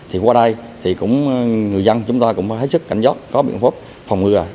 thì qua đây người dân chúng ta cũng hết sức cảnh giác có biện pháp phòng ngừa